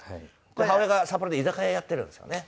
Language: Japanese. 母親が札幌で居酒屋やってるんですよね。